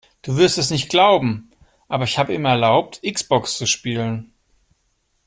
Du wirst es nicht glauben, aber ich habe ihm erlaubt, X-Box zu spielen.